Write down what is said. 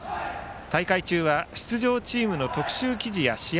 大会中は出場チームの特集記事や試合